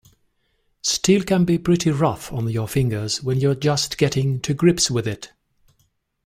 Steel can be pretty rough on your fingers when you're just getting to grips with it.